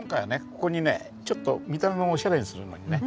ここにねちょっと見た目もオシャレにするのにね